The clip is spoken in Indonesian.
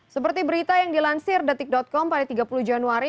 seperti berita yang dilansir detik com pada tiga puluh januari